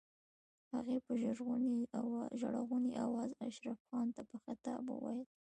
هغې په ژړغوني آواز اشرف خان ته په خطاب وويل.